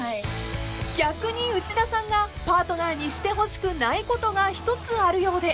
［逆に内田さんがパートナーにしてほしくないことが１つあるようで］